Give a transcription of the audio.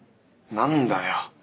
何だよ。